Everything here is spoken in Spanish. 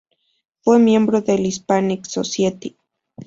Fue miembro de la Hispanic Society.